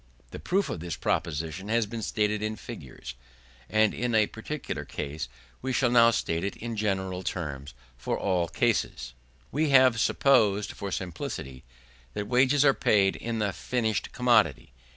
The proof of this position has been stated in figures, and in a particular case: we shall now state it in general terms, and for all cases. We have supposed, for simplicity, that wages are paid in the finished commodity.